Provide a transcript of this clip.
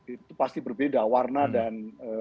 itu pasti berbeda warna dan